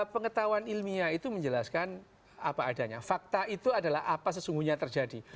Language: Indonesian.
pengetahuan ilmiah itu menjelaskan apa adanya fakta itu adalah apa sesungguhnya terjadi